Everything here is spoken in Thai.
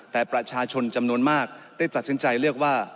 แต่ประชาชนจำนวนมากได้ตัดสินใจเลือกว่า